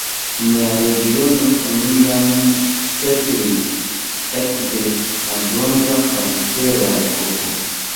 En la regiono oni jam setlis ekde la bronza kaj fera epoko.